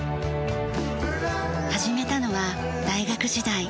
始めたのは大学時代。